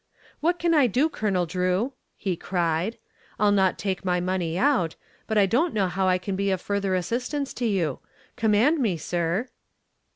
"What can I do, Colonel Drew?" he cried. "I'll not take my money out, but I don't know how I can be of further assistance to you. Command me, sir."